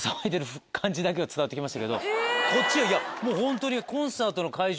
こっちはいやもうホントに。